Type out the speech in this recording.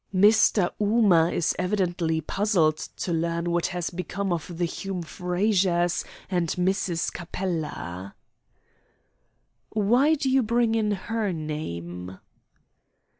"Mr. Ooma is evidently puzzled to learn what has become of the Hume Frazers and Mrs. Capella." "Why do you bring in her name?"